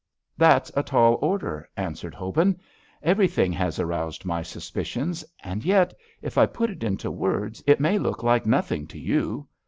"That's a tall order," answered Hobin. "Everything has aroused my suspicions, and yet, if I put it into words, it may look like nothing to you.